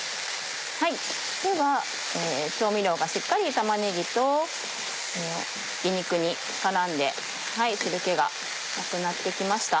では調味料がしっかり玉ねぎとひき肉に絡んで汁気がなくなってきました。